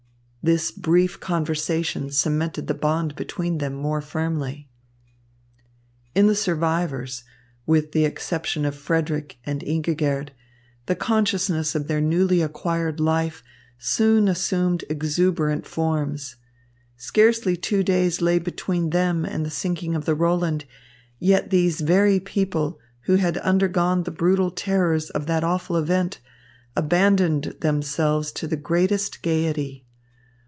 This brief conversation cemented the bond between them more firmly. In the survivors, with the exception of Frederick and Ingigerd, the consciousness of their newly acquired life soon assumed exuberant forms. Scarcely two days lay between them and the sinking of the Roland, yet these very people, who had undergone the brutal terrors of that awful event, abandoned themselves to the greatest gaiety.